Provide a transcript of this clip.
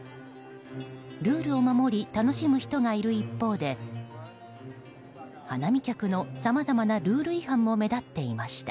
ルールを守り楽しむ人がいる一方で花見客のさまざまなルール違反も目立っていました。